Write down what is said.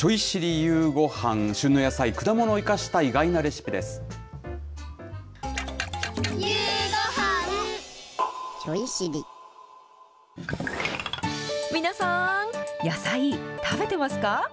ゆう５飯、旬の野菜、果物を生かした意外な皆さん、野菜、食べてますか？